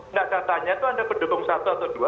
tidak katanya itu ada pendukung satu atau dua